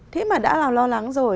thế mà đã là lo lắng rồi